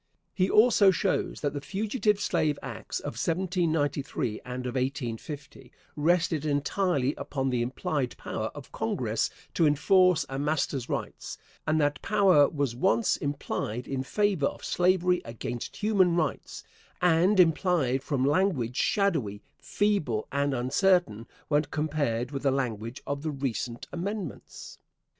He also shows that the Fugitive Slave Acts of 1793 and of 1850, rested entirely upon the implied power of Congress to enforce a master's rights; and that power was once implied in favor of slavery against human rights, and implied from language shadowy, feeble and uncertain when compared with the language of the recent amendments.